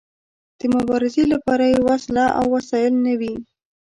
د مبارزې لپاره يې وسله او وسايل نه وي.